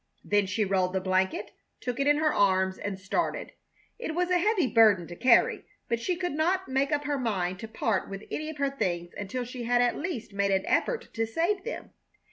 Then she rolled the blanket, took it in her arms, and started. It was a heavy burden to carry, but she could not make up her mind to part with any of her things until she had at least made an effort to save them.